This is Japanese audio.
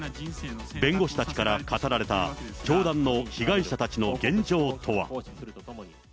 弁護士たちから語られた教団の被害者たちの現状とは。